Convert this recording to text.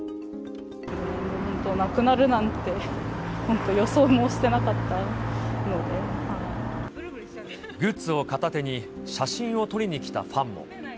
なくなるなんて、本当予想もグッズを片手に、写真を撮りに来たファンも。